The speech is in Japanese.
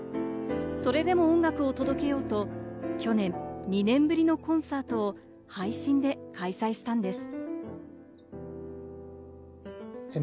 それでも音楽を届けようと、去年２年ぶりのコンサートを配信で開催したんです。